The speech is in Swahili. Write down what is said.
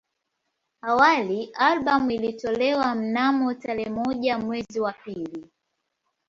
Awali albamu ilitolewa mnamo tarehe moja mwezi wa pili